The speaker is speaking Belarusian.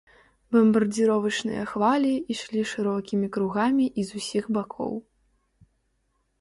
Бамбардзіровачныя хвалі ішлі шырокімі кругамі і з усіх бакоў.